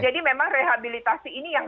jadi memang rehabilitasi ini yang